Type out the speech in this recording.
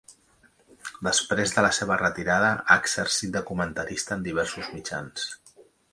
Després de la seva retirada, ha exercit de comentarista en diversos mitjans.